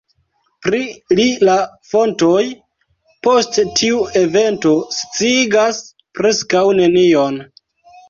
Pri li la fontoj, post tiu evento, sciigas preskaŭ nenion.